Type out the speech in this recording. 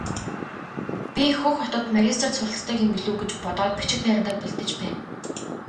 Би Хөх хотод магистрт суралцдаг юм билүү гэж бодоод бичиг баримтаа бэлдэж байна.